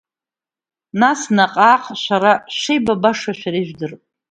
Нас наҟ-наҟ шәара шәшеибабаша шәара ижәдырп…